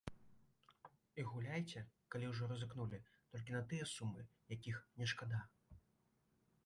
І гуляйце, калі ўжо рызыкнулі, толькі на тыя сумы, якіх не шкада.